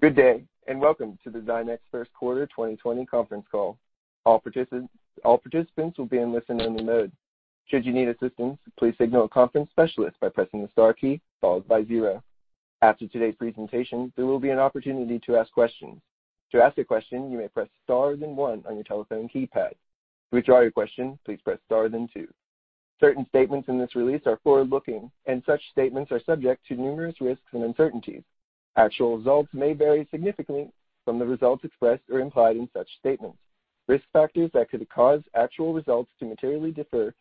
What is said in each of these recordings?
Good day, and welcome to the Zynex first quarter 2020 conference call. All participants will be in listen-only mode. Should you need assistance, please signal a conference specialist by pressing the star key followed by zero. After today's presentation, there will be an opportunity to ask questions. To ask a question, you may press star then one on your telephone keypad. To withdraw your question, please press star then two. Certain statements in this release are forward-looking, and such statements are subject to numerous risks and uncertainties. Actual results may vary significantly from the results expressed or implied in such statements. Risk factors that could cause actual results to materially differ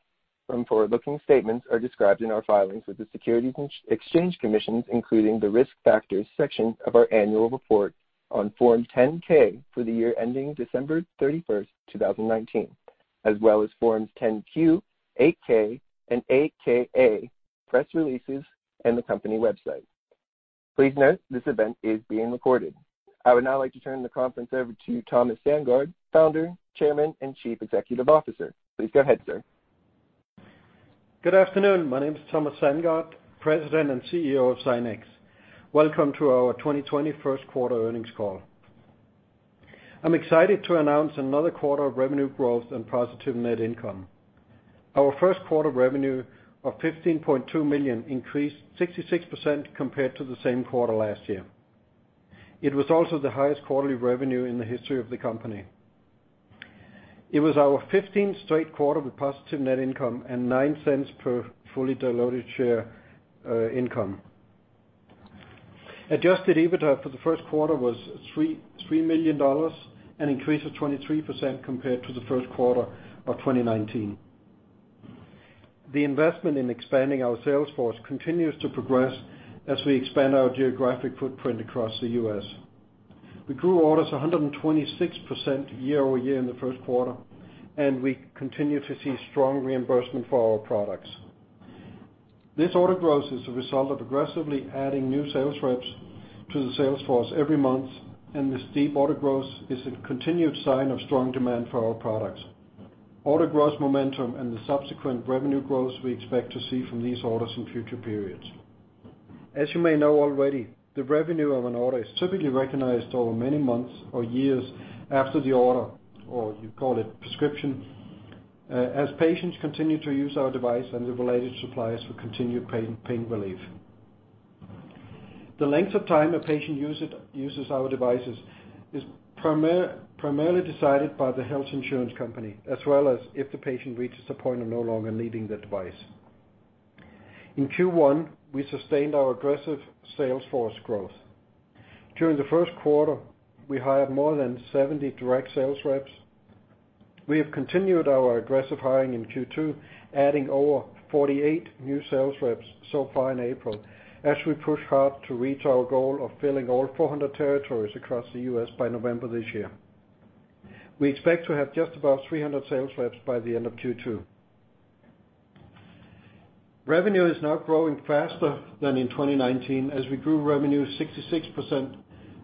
from forward-looking statements are described in our filings with the Securities and Exchange Commission, including the Risk Factors section of our annual report on Form 10-K for the year ending December 31st, 2019. As well as Form 10-Q, 8-K, and 8-K/A, press releases, and the company website. Please note this event is being recorded. I would now like to turn the conference over to Thomas Sandgaard, Founder, Chairman, and Chief Executive Officer. Please go ahead, sir. Good afternoon. My name is Thomas Sandgaard, President and CEO of Zynex. Welcome to our 2020 first quarter earnings call. I'm excited to announce another quarter of revenue growth and positive net income. Our first quarter revenue of $15.2 million increased 66% compared to the same quarter last year. It was also the highest quarterly revenue in the history of the company. It was our 15th straight quarter with positive net income and $0.09 per fully diluted share income. Adjusted EBITDA for the first quarter was $3 million, an increase of 23% compared to the first quarter of 2019. The investment in expanding our sales force continues to progress as we expand our geographic footprint across the U.S.,. We grew orders 126% year-over-year in the first quarter, and we continue to see strong reimbursement for our products. This order growth is a result of aggressively adding new sales reps to the sales force every month, and the steep order growth is a continued sign of strong demand for our products. Order growth momentum and the subsequent revenue growth we expect to see from these orders in future periods. As you may know already, the revenue of an order is typically recognized over many months or years after the order, or you call it prescription, as patients continue to use our device and the related supplies for continued pain relief. The length of time a patient uses our devices is primarily decided by the health insurance company, as well as if the patient reaches a point of no longer needing the device. In Q1, we sustained our aggressive sales force growth. During the first quarter, we hired more than 70 direct sales reps. We have continued our aggressive hiring in Q2, adding over 48 new sales reps so far in April, as we push hard to reach our goal of filling all 400 territories across the U.S., by November this year. We expect to have just about 300 sales reps by the end of Q2. Revenue is now growing faster than in 2019 as we grew revenue 66%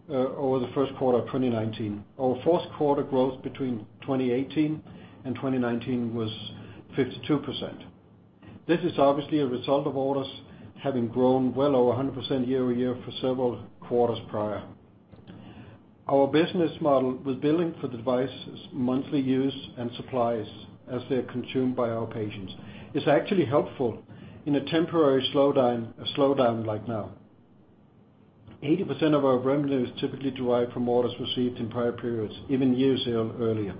over the first quarter of 2019. Our fourth quarter growth between 2018 and 2019 was 52%. This is obviously a result of orders having grown well over 100% year-over-year for several quarters prior. Our business model with billing for devices' monthly use and supplies as they're consumed by our patients is actually helpful in a temporary slowdown like now. 80% of our revenue is typically derived from orders received in prior periods, even years earlier.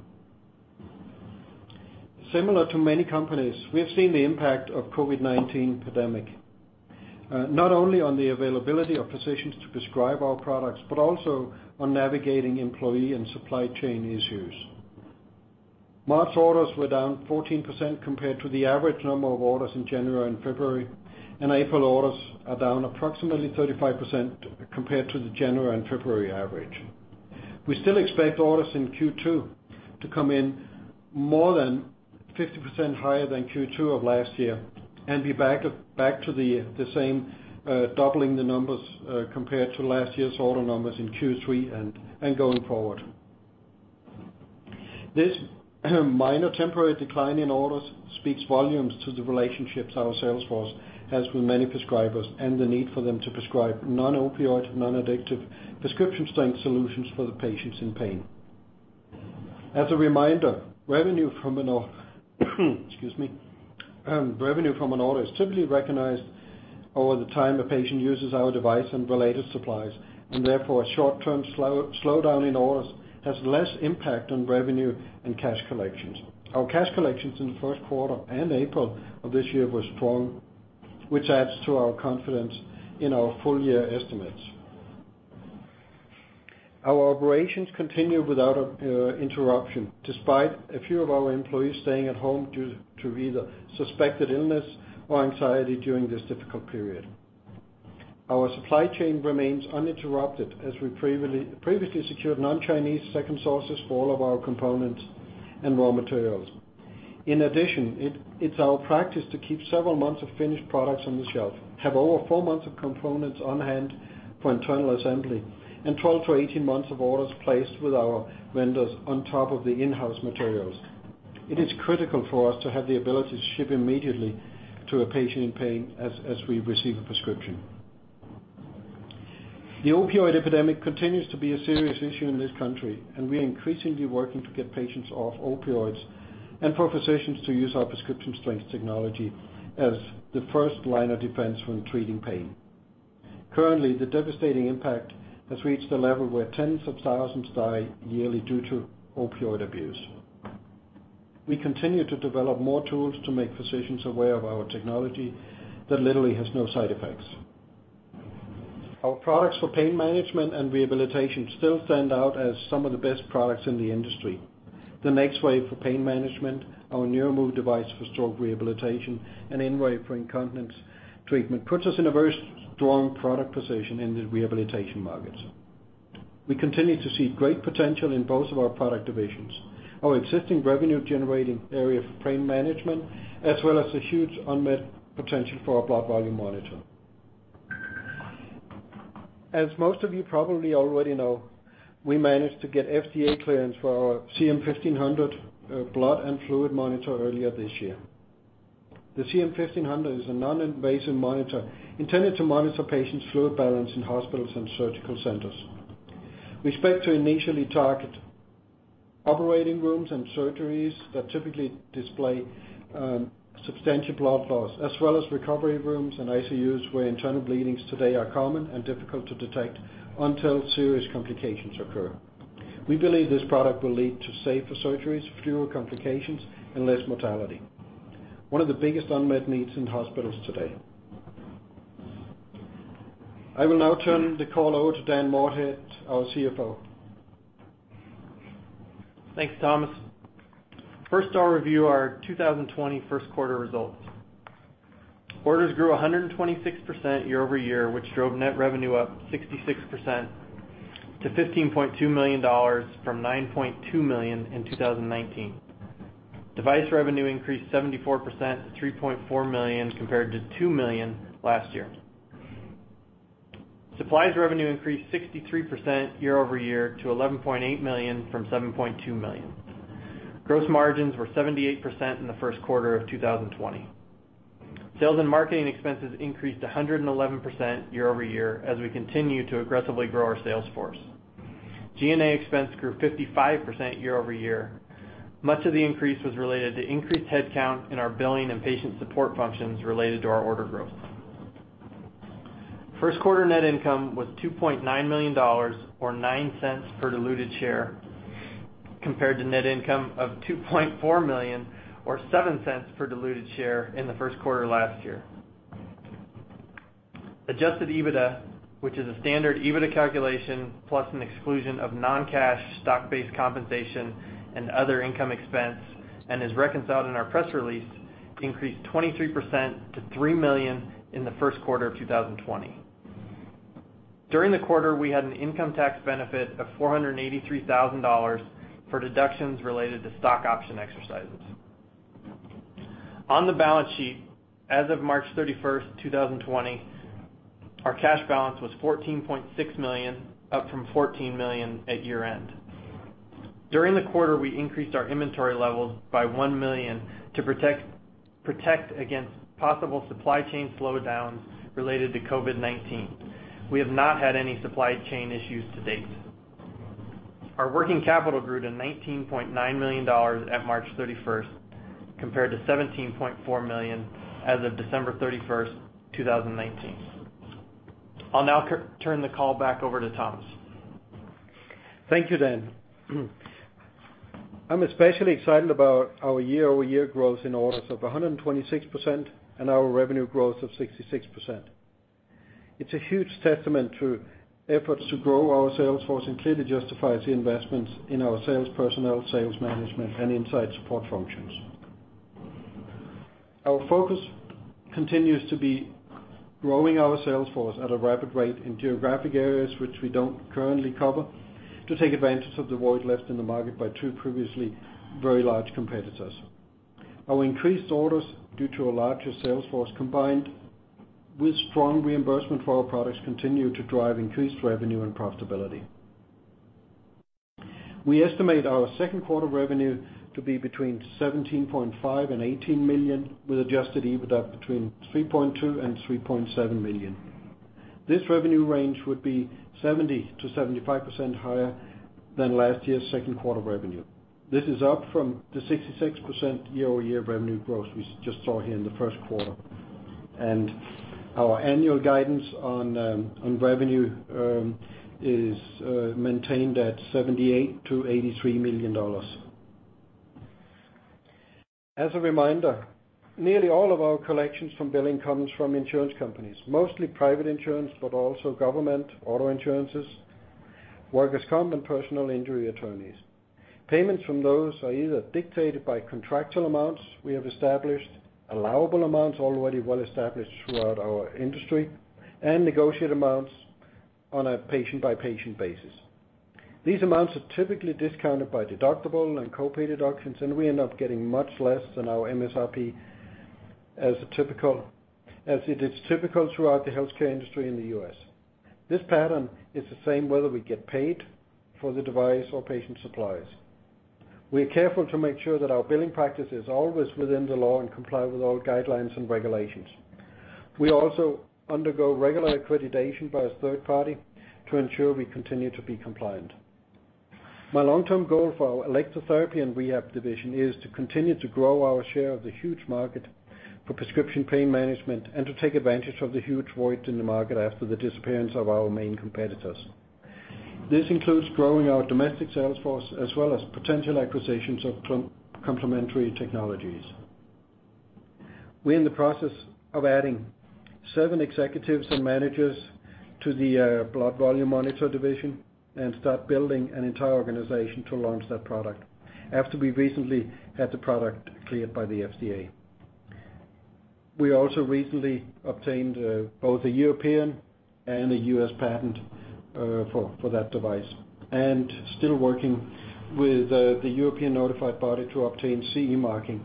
Similar to many companies, we have seen the impact of COVID-19 pandemic, not only on the availability of physicians to prescribe our products, but also on navigating employee and supply chain issues. March orders were down 14% compared to the average number of orders in January and February, and April orders are down approximately 35% compared to the January and February average. We still expect orders in Q2 to come in more than 50% higher than Q2 of last year and be back to the same, doubling the numbers, compared to last year's order numbers in Q3 and going forward. This minor temporary decline in orders speaks volumes to the relationships our sales force has with many prescribers and the need for them to prescribe non-opioid, non-addictive prescription strength solutions for the patients in pain. As a reminder, revenue from. Excuse me. Revenue from an order is typically recognized over the time a patient uses our device and related supplies, and therefore, a short-term slowdown in orders has less impact on revenue and cash collections. Our cash collections in the first quarter and April of this year were strong, which adds to our confidence in our full year estimates. Our operations continue without interruption, despite a few of our employees staying at home due to either suspected illness or anxiety during this difficult period. Our supply chain remains uninterrupted as we previously secured non-Chinese second sources for all of our components and raw materials. In addition, it's our practice to keep several months of finished products on the shelf, have over four months of components on hand for internal assembly, and 12-18 months of orders placed with our vendors on top of the in-house materials. It is critical for us to have the ability to ship immediately to a patient in pain as we receive a prescription. The opioid epidemic continues to be a serious issue in this country, and we are increasingly working to get patients off opioids and for physicians to use our prescription strength technology as the first line of defense when treating pain. Currently, the devastating impact has reached a level where tens of thousands die yearly due to opioid abuse. We continue to develop more tools to make physicians aware of our technology that literally has no side effects. Our products for pain management and rehabilitation still stand out as some of the best products in the industry. The NexWave for pain management, our NeuroMove device for stroke rehabilitation, and InWave for incontinence treatment puts us in a very strong product position in the rehabilitation markets. We continue to see great potential in both of our product divisions. Our existing revenue-generating area for pain management, as well as the huge unmet potential for our blood volume monitor. As most of you probably already know, we managed to get FDA clearance for our CM-1500 blood and fluid monitor earlier this year. The CM-1500 is a non-invasive monitor intended to monitor patients' fluid balance in hospitals and surgical centers. We expect to initially target operating rooms and surgeries that typically display substantial blood loss, as well as recovery rooms and ICUs where internal bleedings today are common and difficult to detect until serious complications occur. We believe this product will lead to safer surgeries, fewer complications, and less mortality. One of the biggest unmet needs in hospitals today. I will now turn the call over to Dan Moorhead, our CFO. Thanks, Thomas. First, I'll review our 2020 first quarter results. Orders grew 126% year-over-year, which drove net revenue up 66% to $15.2 million from $9.2 million in 2019. Device revenue increased 74% to $3.4 million, compared to $2 million last year. Supplies revenue increased 63% year-over-year to $11.8 million from $7.2 million. Gross margins were 78% in the first quarter of 2020. Sales and marketing expenses increased 111% year-over-year, as we continue to aggressively grow our sales force. G&A expense grew 55% year-over-year. Much of the increase was related to increased headcount in our billing and patient support functions related to our order growth. First quarter net income was $2.9 million, or $0.09 per diluted share, compared to net income of $2.4 million or $0.07 per diluted share in the first quarter last year. Adjusted EBITDA, which is a standard EBITDA calculation plus an exclusion of non-cash stock-based compensation and other income expense and is reconciled in our press release, increased 23% to $3 million in the first quarter of 2020. During the quarter, we had an income tax benefit of $483,000 for deductions related to stock option exercises. On the balance sheet, as of March 31st, 2020, our cash balance was $14.6 million, up from $14 million at year-end. During the quarter, we increased our inventory levels by $1 million to protect against possible supply chain slowdowns related to COVID-19. We have not had any supply chain issues to date. Our working capital grew to $19.9 million at March 31st, compared to $17.4 million as of December 31st, 2019. I'll now turn the call back over to Thomas. Thank you, Dan. I'm especially excited about our year-over-year growth in orders of 126% and our revenue growth of 66%. It's a huge testament to efforts to grow our sales force and clearly justifies the investments in our sales personnel, sales management, and inside support functions. Our focus continues to be growing our sales force at a rapid rate in geographic areas which we don't currently cover to take advantage of the void left in the market by two previously very large competitors. Our increased orders due to a larger sales force, combined with strong reimbursement for our products, continue to drive increased revenue and profitability. We estimate our second quarter revenue to be between $17.5 million and $18 million, with adjusted EBITDA between $3.2 million and $3.7 million. This revenue range would be 70%-75% higher than last year's second quarter revenue. This is up from the 66% year-over-year revenue growth we just saw here in the first quarter. Our annual guidance on revenue is maintained at $78 million-$83 million. As a reminder, nearly all of our collections from billing comes from insurance companies, mostly private insurance, but also government, auto insurances, workers' comp, and personal injury attorneys. Payments from those are either dictated by contractual amounts we have established, allowable amounts already well established throughout our industry, and negotiated amounts on a patient-by-patient basis. These amounts are typically discounted by deductible and co-pay deductions, and we end up getting much less than our MSRP as it is typical throughout the healthcare industry in the U.S.,. This pattern is the same whether we get paid for the device or patient supplies. We are careful to make sure that our billing practice is always within the law and comply with all guidelines and regulations. We also undergo regular accreditation by a third party to ensure we continue to be compliant. My long-term goal for our electrotherapy and rehab division is to continue to grow our share of the huge market for prescription pain management, and to take advantage of the huge void in the market after the disappearance of our main competitors. This includes growing our domestic sales force as well as potential acquisitions of complementary technologies. We're in the process of adding seven executives and managers to the blood volume monitor division and start building an entire organization to launch that product after we recently had the product cleared by the FDA. We also recently obtained both a European and a US patent for that device and still working with the European notified party to obtain CE marking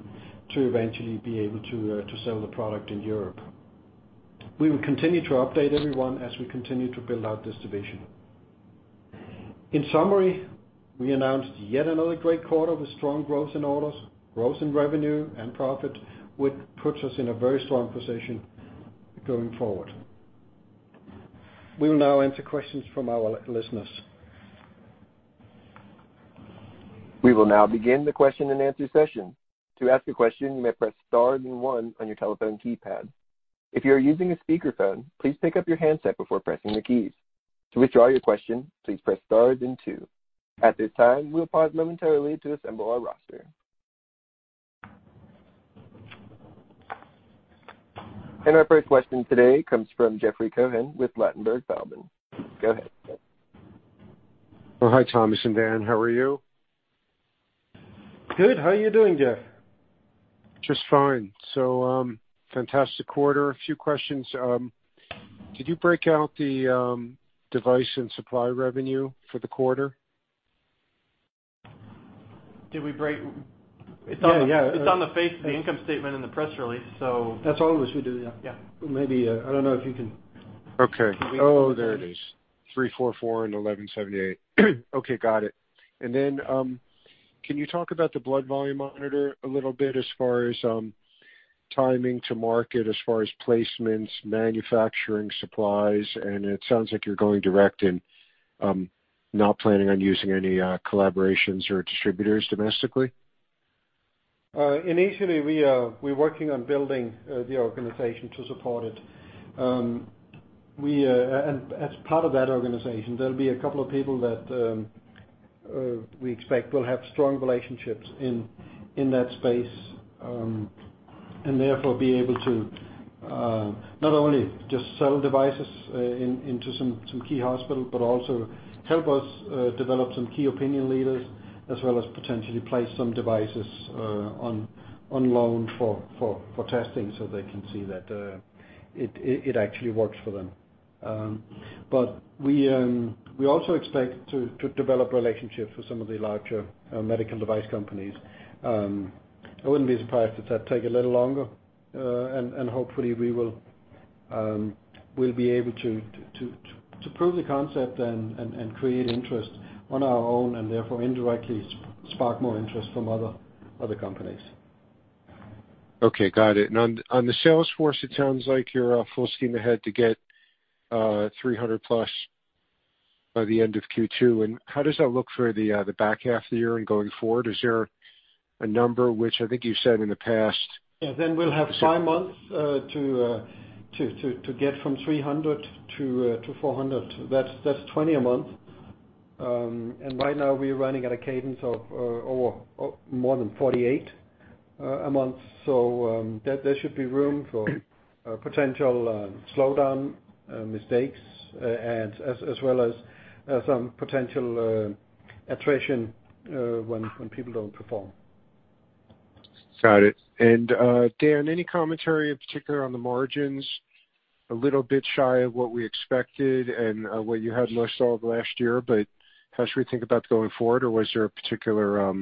to eventually be able to sell the product in Europe. We will continue to update everyone as we continue to build out this division. In summary, we announced yet another great quarter with strong growth in orders, growth in revenue and profit, which puts us in a very strong position going forward. We will now answer questions from our listeners. We will now begin the question and answer session. To ask a question, you may press star then one on your telephone keypad. If you are using a speakerphone, please pick up your handset before pressing the keys. To withdraw your question, please press stars and two. At this time, we'll pause momentarily to assemble our roster. Our first question today comes from Jeffrey Cohen with Ladenburg Thalmann. Go ahead, Jeff. Oh, hi, Thomas and Dan. How are you? Good. How are you doing, Jeff? Just fine. Fantastic quarter. A few questions. Did you break out the device and supply revenue for the quarter? Did we break. Yeah. It's on the face of the income statement in the press release. That's all of us who do that. Yeah. Maybe, I don't know if you can. Okay. Oh, there it is. 344 and 1,178. Okay, got it. Can you talk about the blood volume monitor a little bit as far as timing to market, as far as placements, manufacturing supplies, and it sounds like you're going direct and not planning on using any collaborations or distributors domestically. Initially we're working on building the organization to support it. As part of that organization, there'll be a couple of people that we expect will have strong relationships in that space, and therefore, be able to not only just sell devices, into some key hospitals, but also help us develop some key opinion leaders, as well as potentially place some devices on loan for testing so they can see that it actually works for them. We also expect to develop relationships with some of the larger medical device companies. I wouldn't be surprised if that take a little longer. Hopefully we'll be able to prove the concept and create interest on our own, and therefore indirectly spark more interest from other companies. Okay, got it. On the sales force, it sounds like you're full steam ahead to get 300 plus by the end of Q2. How does that look for the back half of the year and going forward? Is there a number which I think you said in the past. Yeah, we'll have five months to get from 300 to 400. That's 20 a month. Right now we're running at a cadence of more than 48 a month. There should be room for a potential slowdown, mistakes, as well as some potential attrition when people don't perform. Got it. Dan, any commentary in particular on the margins? A little bit shy of what we expected and what you had most of last year, but how should we think about going forward, or was there a particular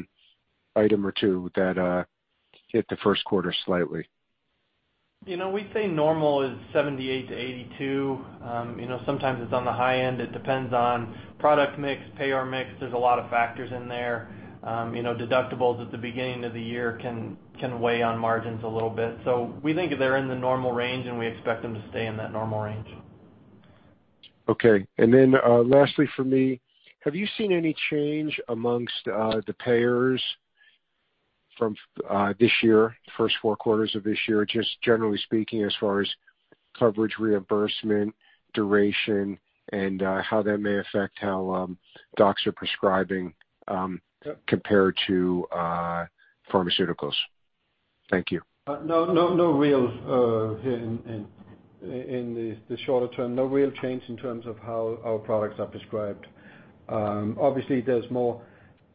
item or two that hit the first quarter slightly? We say normal is 78-82. Sometimes it's on the high end. It depends on product mix, payer mix. There's a lot of factors in there. Deductibles at the beginning of the year can weigh on margins a little bit. We think they're in the normal range, and we expect them to stay in that normal range. Okay. Lastly from me, have you seen any change amongst the payers from this year, first four quarters of this year, just generally speaking, as far as coverage, reimbursement, duration, and how that may affect how docs are prescribing compared to pharmaceuticals? Thank you. In the shorter term, no real change in terms of how our products are prescribed. Obviously, there's more,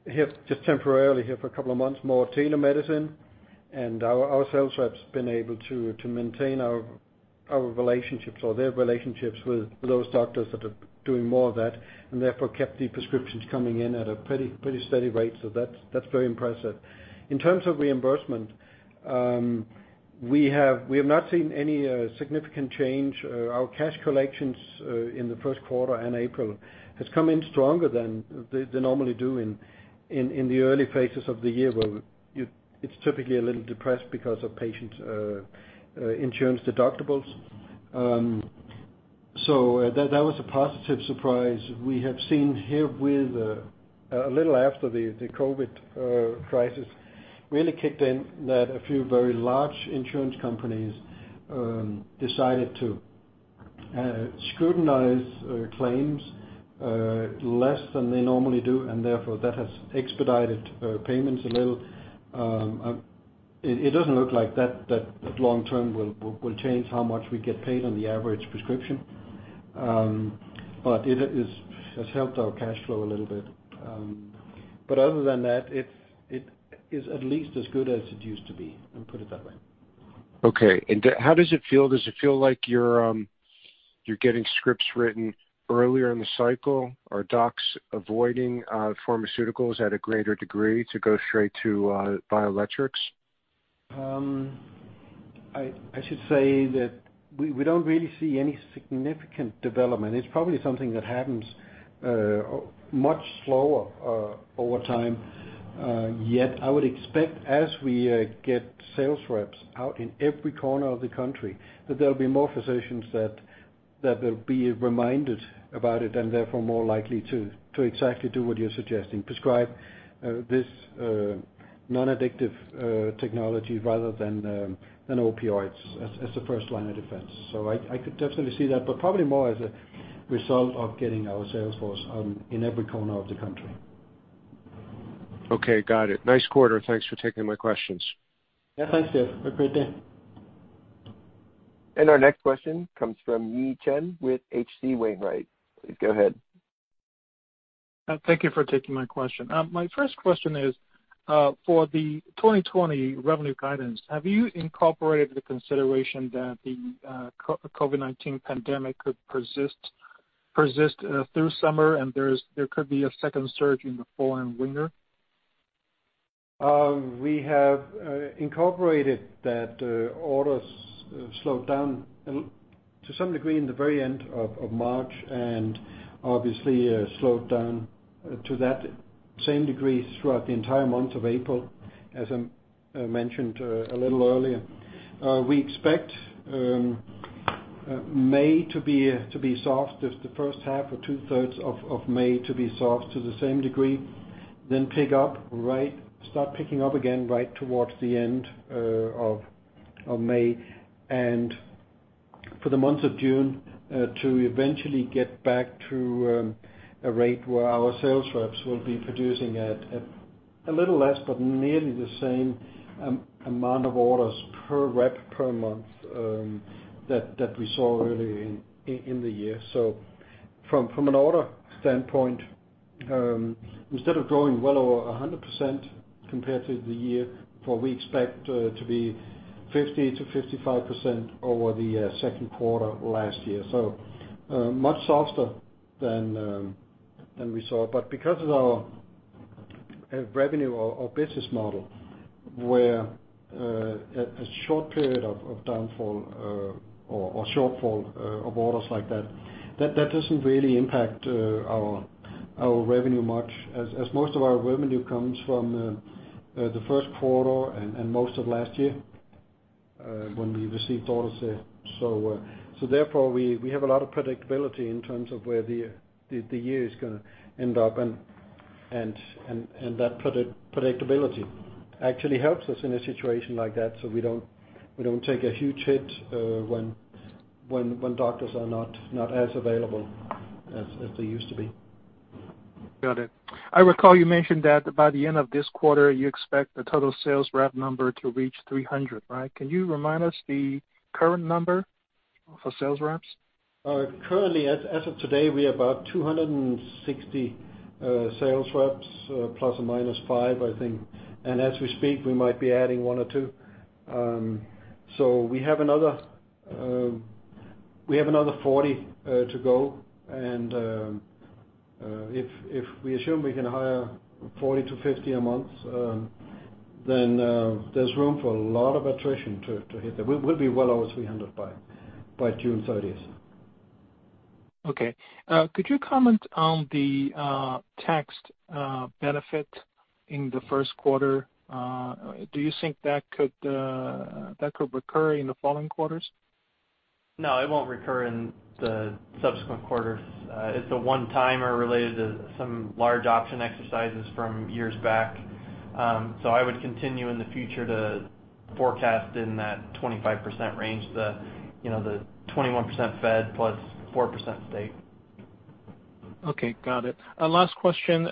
just temporarily here for a couple of months, more telemedicine. Our sales reps been able to maintain their relationships with those doctors that are doing more of that, and therefore kept the prescriptions coming in at a pretty steady rate. That's very impressive. In terms of reimbursement, we have not seen any significant change. Our cash collections in the first quarter and April, has come in stronger than they normally do in the early phases of the year, where it's typically a little depressed because of patient insurance deductibles. That was a positive surprise we have seen here with a little after the COVID crisis really kicked in, that a few very large insurance companies decided to scrutinize claims less than they normally do, and therefore that has expedited payments a little. It doesn't look like that long term will change how much we get paid on the average prescription. It has helped our cash flow a little bit. Other than that, it is at least as good as it used to be, let me put it that way. Okay. How does it feel? Does it feel like you're getting scripts written earlier in the cycle? Are docs avoiding pharmaceuticals at a greater degree to go straight to bioelectrics? I should say that we don't really see any significant development. It's probably something that happens much slower over time. I would expect as we get sales reps out in every corner of the country, that there'll be more physicians that will be reminded about it, and therefore more likely to exactly do what you're suggesting, prescribe this non-addictive technology rather than opioids as a first line of defense. I could definitely see that, but probably more as a result of getting our sales force in every corner of the country. Okay, got it. Nice quarter. Thanks for taking my questions. Yeah, thanks, Jeff. Have a great day. Our next question comes from Yi Chen with H.C. Wainwright. Please go ahead. Thank you for taking my question. My first question is, for the 2020 revenue guidance, have you incorporated the consideration that the COVID-19 pandemic could persist through summer and there could be a second surge in the fall and winter? We have incorporated that orders slowed down to some degree in the very end of March. Obviously slowed down to that same degree throughout the entire month of April, as I mentioned a little earlier. We expect May to be soft, the first half or two-thirds of May to be soft to the same degree. Start picking up again right towards the end of May. For the month of June, to eventually get back to a rate where our sales reps will be producing at a little less, but nearly the same amount of orders per rep per month that we saw early in the year. From an order standpoint, instead of growing well over 100% compared to the year, for we expect to be 50%-55% over the second quarter last year. Much softer than we saw. Because of our revenue or business model, where a short period of downfall or shortfall of orders like that doesn't really impact our revenue much, as most of our revenue comes from the first quarter and most of last year, when we received orders there. Therefore, we have a lot of predictability in terms of where the year is going to end up and that predictability actually helps us in a situation like that so we don't take a huge hit when doctors are not as available as they used to be. Got it. I recall you mentioned that by the end of this quarter, you expect the total sales rep number to reach 300, right? Can you remind us the current number for sales reps? Currently, as of today, we are about 260 sales reps, ±5, I think. As we speak, we might be adding one or two. We have another 40 to go, and if we assume we can hire 40 to 50 a month, then there's room for a lot of attrition to hit there. We'll be well over 300 by June 30th. Could you comment on the tax benefit in the first quarter? Do you think that could recur in the following quarters? No, it won't recur in the subsequent quarters. It's a one-timer related to some large option exercises from years back. I would continue in the future to forecast in that 25% range, the 21% fed plus 4% state. Okay, got it. Last question.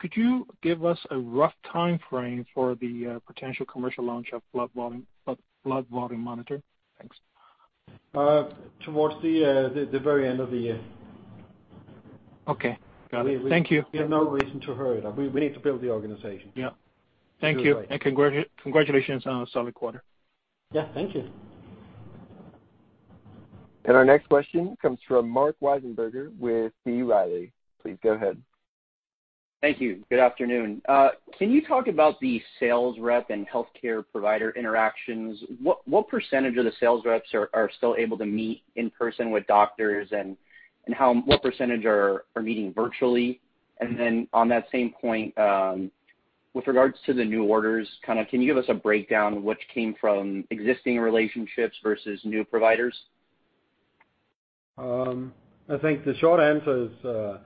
Could you give us a rough timeframe for the potential commercial launch of blood volume monitor? Thanks. Towards the very end of the year. Okay. Got it. Thank you. We have no reason to hurry it up. We need to build the organization. Yeah. Thank you. Congratulations on a solid quarter. Yeah. Thank you. Our next question comes from Marc Wiesenberger with B. Riley. Please go ahead. Thank you. Good afternoon. Can you talk about the sales rep and healthcare provider interactions? What percentage of the sales reps are still able to meet in person with doctors, and what percentage are meeting virtually? On that same point, with regards to the new orders, can you give us a breakdown of which came from existing relationships versus new providers? I think the short answer is,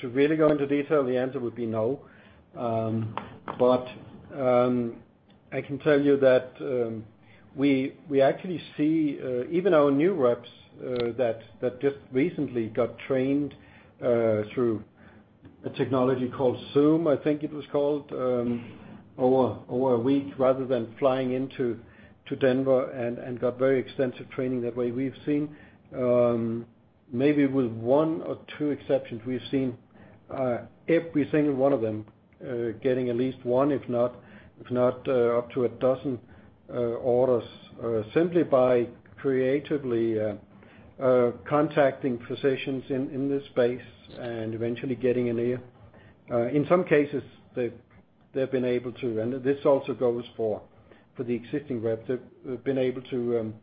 to really go into detail, the answer would be no. I can tell you that we actually see even our new reps that just recently got trained through a technology called Zoom, I think it was called, over a week, rather than flying into Denver and got very extensive training that way. We've seen, maybe with one or two exceptions, we've seen every single one of them getting at least one, if not up to a dozen orders, simply by creatively contacting physicians in this space and eventually getting in there. In some cases, they've been able to, and this also goes for the existing reps, they've been able to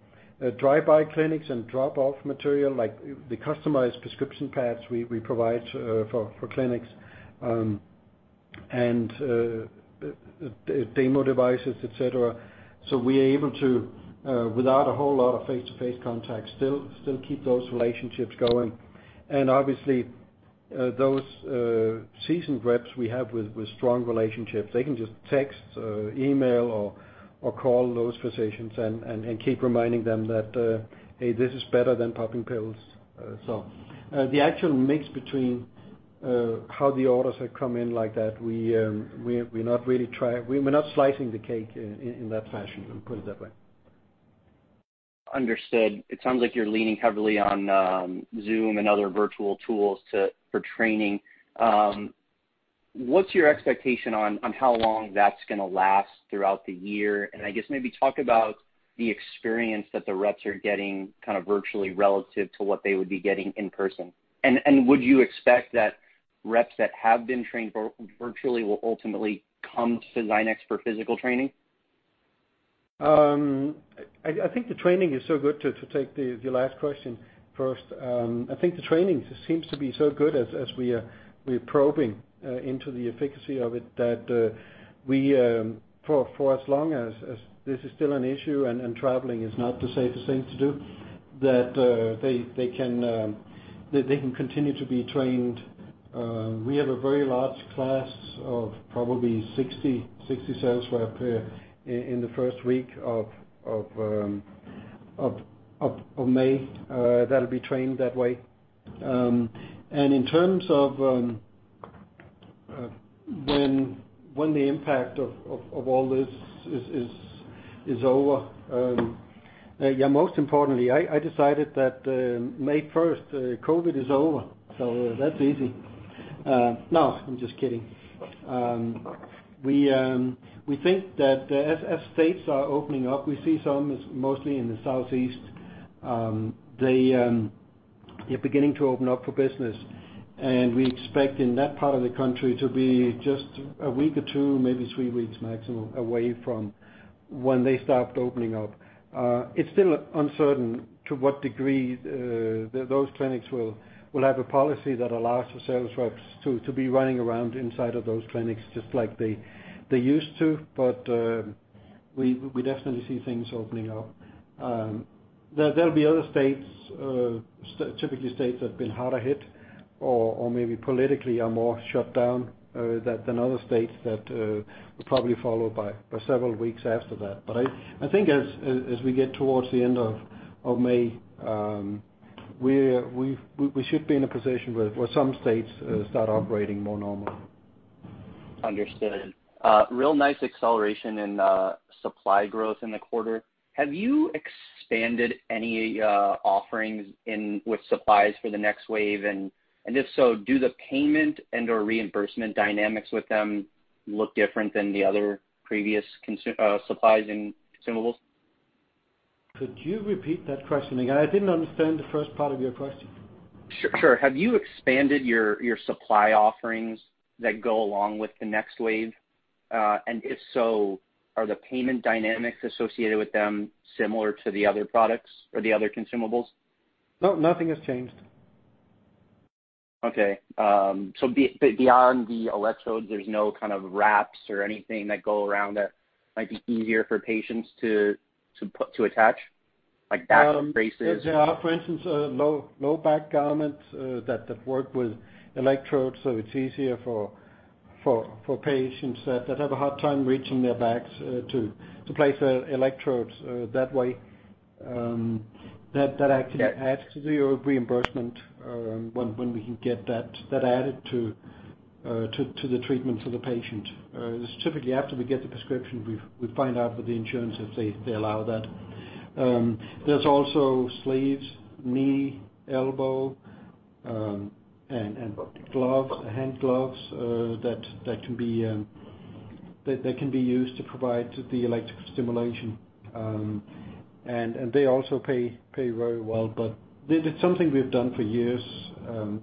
drive by clinics and drop off material, like the customized prescription pads we provide for clinics, and demo devices, et cetera. We are able to, without a whole lot of face-to-face contact, still keep those relationships going. Obviously, those seasoned reps we have with strong relationships, they can just text, email, or call those physicians and keep reminding them that, hey, this is better than popping pills. The actual mix between how the orders have come in like that, we're not slicing the cake in that fashion, let me put it that way. Understood. It sounds like you're leaning heavily on Zoom and other virtual tools for training. What's your expectation on how long that's going to last throughout the year? I guess maybe talk about the experience that the reps are getting virtually relative to what they would be getting in person. Would you expect that reps that have been trained virtually will ultimately come to Zynex for physical training? I think the training is so good, to take the last question first. I think the training seems to be so good as we are probing into the efficacy of it that for as long as this is still an issue and traveling is not the safest thing to do, that they can continue to be trained. We have a very large class of probably 60 sales rep in the first week of May that'll be trained that way. In terms of when the impact of all this is over, most importantly, I decided that May 1st COVID is over, so that's easy. No, I'm just kidding. We think that as states are opening up, we see some, mostly in the Southeast, they are beginning to open up for business. We expect in that part of the country to be just a week or two, maybe three weeks maximum away from when they start opening up. It's still uncertain to what degree those clinics will have a policy that allows the sales reps to be running around inside of those clinics just like they used to. We definitely see things opening up. There'll be other states, typically states that have been harder hit or maybe politically are more shut down than other states that will probably follow by several weeks after that. I think as we get towards the end of May, we should be in a position where some states start operating more normally. Understood. Real nice acceleration in supply growth in the quarter. Have you expanded any offerings with supplies for the NexWave? If so, do the payment and/or reimbursement dynamics with them look different than the other previous supplies and consumables? Could you repeat that question again? I didn't understand the first part of your question. Sure. Have you expanded your supply offerings that go along with the NexWave? If so, are the payment dynamics associated with them similar to the other products or the other consumables? No, nothing has changed. Okay. Beyond the electrodes, there's no kind of wraps or anything that go around that might be easier for patients to attach, like back braces? There are, for instance, low back garments that work with electrodes, so it's easier for patients that have a hard time reaching their backs to place electrodes that way. That actually adds to the reimbursement when we can get that added to the treatment of the patient. It's typically after we get the prescription, we find out with the insurance if they allow that. There's also sleeves, knee, elbow, and hand gloves that can be used to provide the electrical stimulation. They also pay very well, but it's something we've done for years, and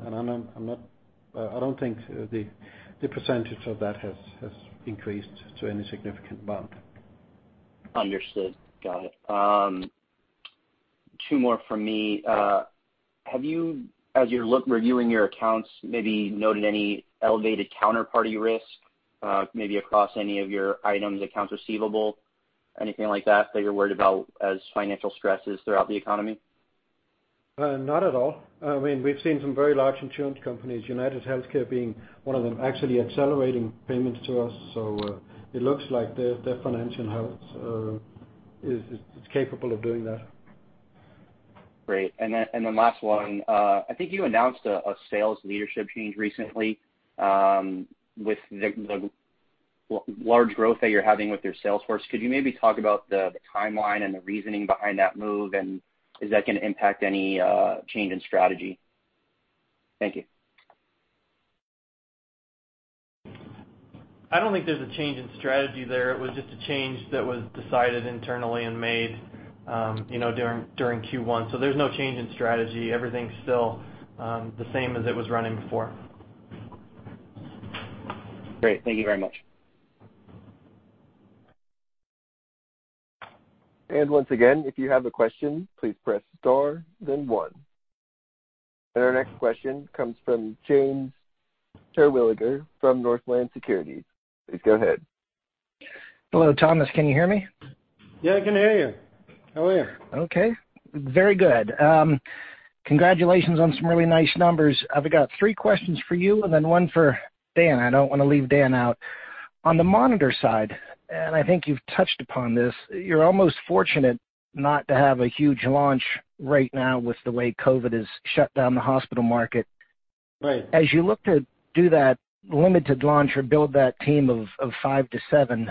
I don't think the percentage of that has increased to any significant amount. Understood. Got it. Two more from me. Sure. Have you, as you're reviewing your accounts, maybe noted any elevated counterparty risk, maybe across any of your items, accounts receivable, anything like that you're worried about as financial stress is throughout the economy? Not at all. We've seen some very large insurance companies, UnitedHealthcare being one of them, actually accelerating payments to us, so it looks like their financial health is capable of doing that. Great. Last one. I think you announced a sales leadership change recently with the large growth that you're having with your sales force. Could you maybe talk about the timeline and the reasoning behind that move, and is that going to impact any change in strategy? Thank you. I don't think there's a change in strategy there. It was just a change that was decided internally and made during Q1. There's no change in strategy. Everything's still the same as it was running before. Great. Thank you very much. Once again, if you have a question, please press star then one. Our next question comes from James Terwilliger from Northland Securities. Please go ahead. Hello, Thomas. Can you hear me? Yeah, I can hear you. How are you? Okay. Very good. Congratulations on some really nice numbers. I've got three questions for you and then one for Dan. I don't want to leave Dan out. On the monitor side, and I think you've touched upon this, you're almost fortunate not to have a huge launch right now with the way COVID has shut down the hospital market. Right. As you look to do that limited launch or build that team of five to seven,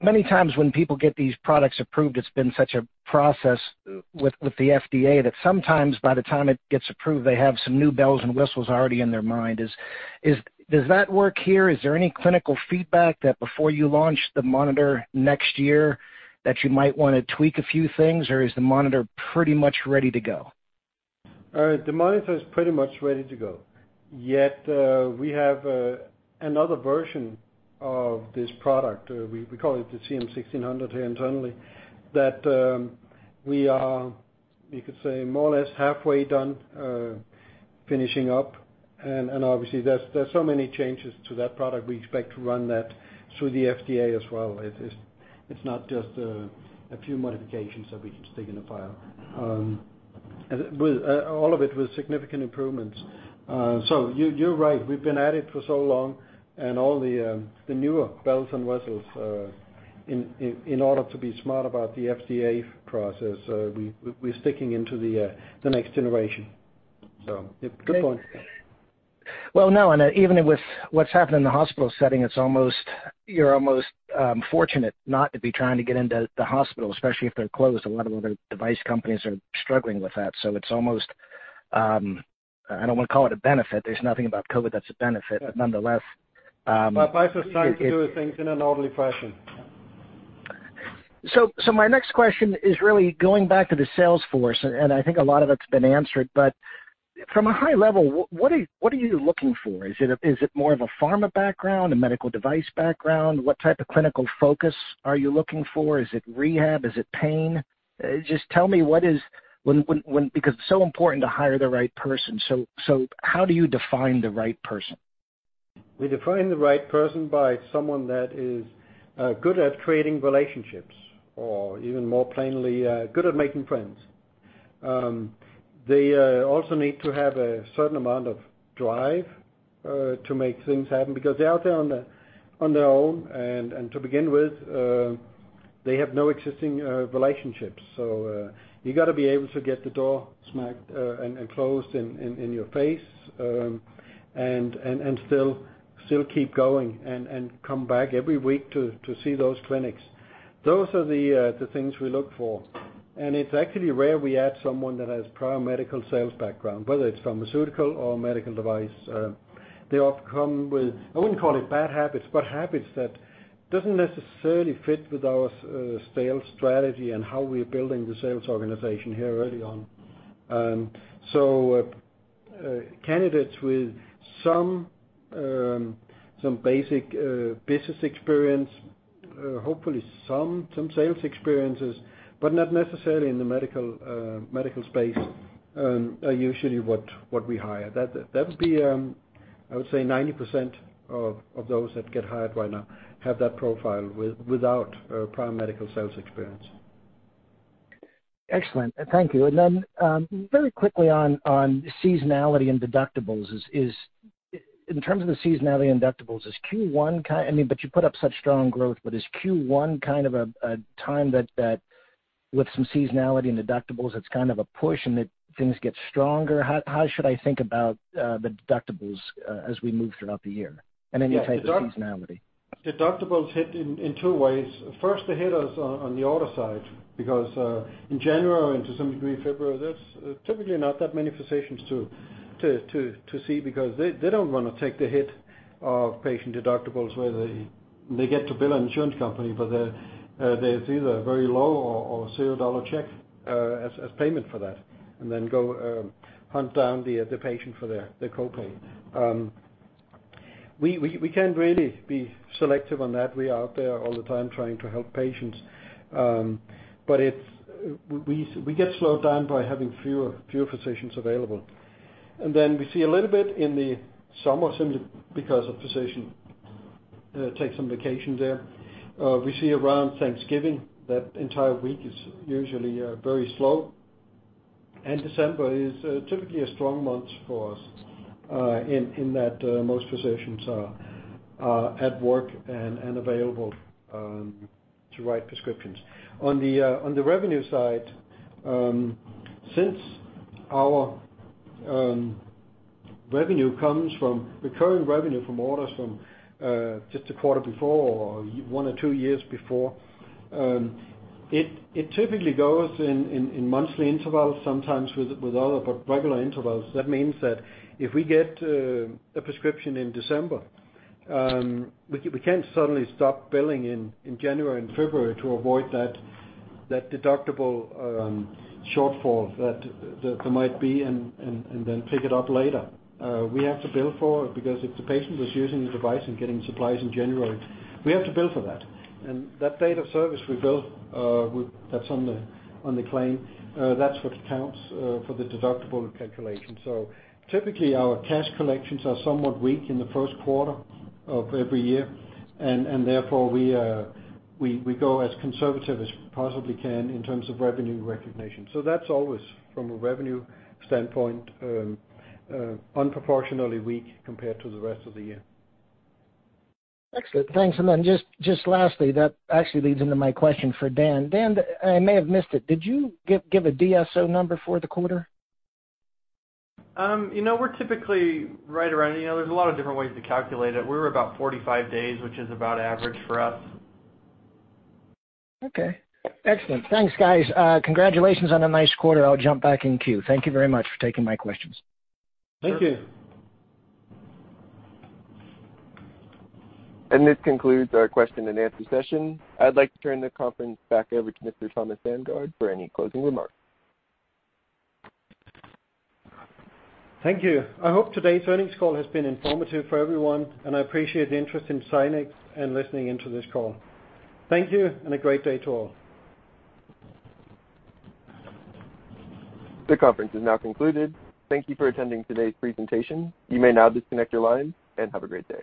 many times when people get these products approved, it's been such a process with the FDA that sometimes by the time it gets approved, they have some new bells and whistles already in their mind. Does that work here? Is there any clinical feedback that before you launch the monitor next year that you might want to tweak a few things, or is the monitor pretty much ready to go? The monitor is pretty much ready to go. Yet, we have another version of this product, we call it the CM-1,600 here internally, that we are, you could say, more or less halfway done finishing up. Obviously, there's so many changes to that product. We expect to run that through the FDA as well. It's not just a few modifications that we can stick in a file, all of it with significant improvements. You're right, we've been at it for so long and all the newer bells and whistles in order to be smart about the FDA process, we're sticking into the next generation. Good point. Well, now, even with what's happened in the hospital setting, you're almost fortunate not to be trying to get into the hospital, especially if they're closed. A lot of other device companies are struggling with that. It's almost, I don't want to call it a benefit. There's nothing about COVID that's a benefit. Life is trying to do things in an orderly fashion. My next question is really going back to the sales force, and I think a lot of it's been answered, but from a high level, what are you looking for? Is it more of a pharma background, a medical device background? What type of clinical focus are you looking for? Is it rehab? Is it pain? Just tell me, because it's so important to hire the right person. How do you define the right person? We define the right person by someone that is good at creating relationships, or even more plainly, good at making friends. They also need to have a certain amount of drive to make things happen because they're out there on their own, and to begin with, they have no existing relationships. You got to be able to get the door smacked and closed in your face, and still keep going and come back every week to see those clinics. Those are the things we look for. It's actually rare we add someone that has prior medical sales background, whether it's pharmaceutical or medical device. They often come with, I wouldn't call it bad habits, but habits that doesn't necessarily fit with our sales strategy and how we're building the sales organization here early on. Candidates with some basic business experience, hopefully some sales experiences, but not necessarily in the medical space, are usually what we hire. That would be, I would say 90% of those that get hired right now have that profile without prior medical sales experience. Excellent. Thank you. Very quickly on seasonality and deductibles. In terms of the seasonality and deductibles, I mean, but you put up such strong growth. Is Q1 kind of a time that with some seasonality and deductibles, it's kind of a push and that things get stronger? How should I think about the deductibles as we move throughout the year and any type of seasonality? Deductibles hit in two ways. First, they hit us on the order side because in January, and to some degree, February, there's typically not that many physicians to see because they don't want to take the hit of patient deductibles where they get to bill an insurance company, but they see the very low or $0 check as payment for that, and then go hunt down the patient for their co-pay. We can't really be selective on that. We are out there all the time trying to help patients. We get slowed down by having fewer physicians available. We see a little bit in the summer simply because a physician takes some vacation there. We see around Thanksgiving, that entire week is usually very slow. December is typically a strong month for us in that most physicians are at work and available to write prescriptions. On the revenue side, since our recurring revenue from orders from just the quarter before or one or two years before, it typically goes in monthly intervals, sometimes with other but regular intervals. That means that if we get a prescription in December, we can't suddenly stop billing in January and February to avoid that deductible shortfall that there might be and then pick it up later. We have to bill for it, because if the patient was using the device and getting supplies in January, we have to bill for that. That date of service we bill that's on the claim, that's what counts for the deductible calculation. Typically, our cash collections are somewhat weak in the first quarter of every year, and therefore, we go as conservative as we possibly can in terms of revenue recognition. That's always, from a revenue standpoint, disproportionately weak compared to the rest of the year. Excellent. Thanks. Then just lastly, that actually leads into my question for Dan. Dan, I may have missed it. Did you give a DSO number for the quarter? There's a lot of different ways to calculate it. We were about 45 days, which is about average for us. Okay. Excellent. Thanks, guys. Congratulations on a nice quarter. I'll jump back in queue. Thank you very much for taking my questions. Thank you. Sure. This concludes our question and answer session. I'd like to turn the conference back over to Mr. Thomas Sandgaard for any closing remarks. Thank you. I hope today's earnings call has been informative for everyone, and I appreciate the interest in Zynex and listening in to this call. Thank you, and a great day to all. The conference is now concluded. Thank you for attending today's presentation. You may now disconnect your lines, and have a great day.